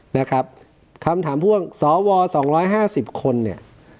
นะครับคำถามพ่วงสวสองร้อยห้าสิบคนเนี่ย